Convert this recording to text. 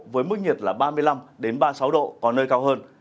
với mức nhiệt là ba mươi năm ba mươi sáu độ có nơi cao hơn